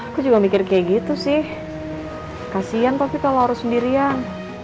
aku juga mikir kayak gitu sih kasian tapi kalau harus sendirian